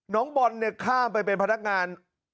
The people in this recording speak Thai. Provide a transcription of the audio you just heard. น้องบอลเนี่ยข้ามไปเป็นพนักงาน